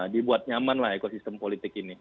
dibuat nyaman lah ekosistem politik ini